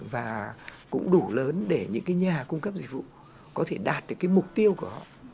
và cũng đủ lớn để những nhà cung cấp dịch vụ có thể đạt được mục tiêu của họ